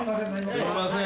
すみません。